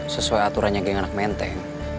sesuai aturannya geng anak menteng